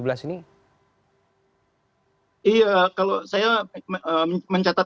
kalau saya mencatat ini sebenarnya